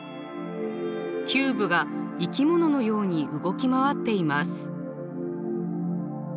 キューブが生き物のように動き回っています。